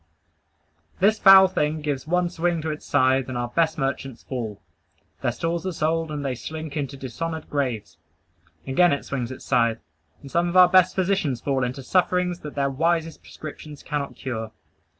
This foul thing gives one swing to its scythe, and our best merchants fall; their stores are sold, and they slink into dishonored graves. Again it swings its scythe, and some of our best physicians fall into sufferings that their wisest prescriptions cannot cure.